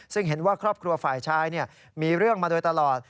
ซึ่งเห็นว่าครอบครัวฝ่ายชายมีเรื่องมาโดยตลอด